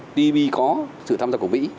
tpp có sự tham gia của mỹ